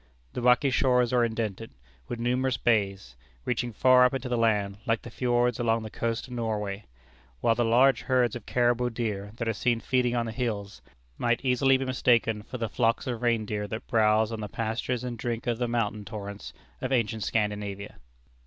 The rocky shores are indented with numerous bays, reaching far up into the land, like the fiords along the coast of Norway; while the large herds of Caribou deer, that are seen feeding on the hills, might easily be mistaken for the flocks of reindeer that browse on the pastures and drink of the mountain torrents of ancient Scandinavia.